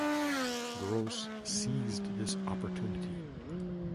Gros seized this opportunity.